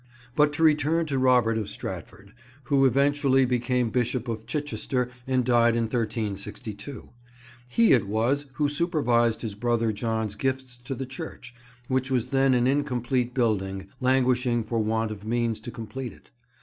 But to return to Robert of Stratford, who eventually became Bishop of Chichester and died in 1362. He it was who supervised his brother John's gifts to the church, which was then an incomplete building, languishing for want of means to complete it.